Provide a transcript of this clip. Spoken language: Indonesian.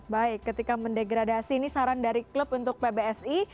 baik ketika mendegradasi ini saran dari klub untuk pbsi